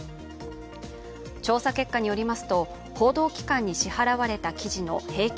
調査結果によりますと報道機関に支払われた記事の平均